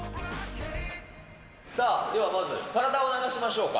さあ、ではまず、体を流しましょうか。